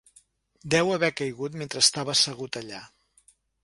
Deu haver caigut mentre estava assegut allà.